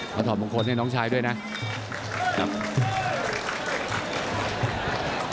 ถอดมงคลให้น้องชายด้วยนะครับ